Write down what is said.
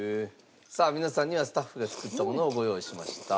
さあ皆さんにはスタッフが作ったものをご用意しました。